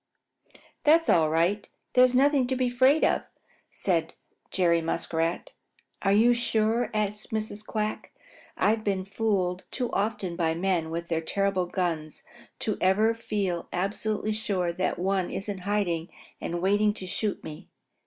"It's all right. There's nothing to be afraid of," said Jerry Muskrat. "Are you sure?" asked Mrs. Quack anxiously. "I've been fooled too often by men with their terrible guns to ever feel absolutely sure that one isn't hiding and waiting to shoot me."